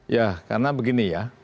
ya karena begini ya